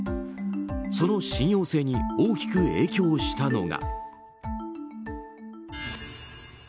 その信用性に大きく影響したのが。